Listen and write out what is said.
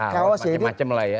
tawas ya macem macem lah ya